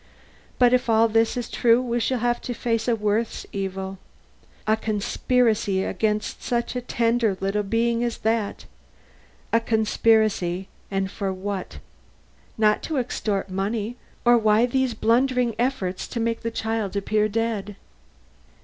But if all this is true we shall have to face a worse evil. A conspiracy against such a tender little being as that! A conspiracy, and for what? Not to extort money, or why these blundering efforts to make the child appear dead?"